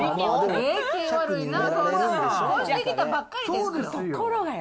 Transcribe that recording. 越してきたばっかりよ。